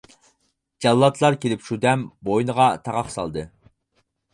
جاللاتلار كېلىپ شۇ دەم، بوينىغا تاقاق سالدى.